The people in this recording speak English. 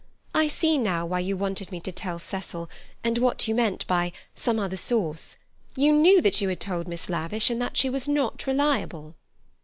"I see now why you wanted me to tell Cecil, and what you meant by 'some other source.' You knew that you had told Miss Lavish, and that she was not reliable."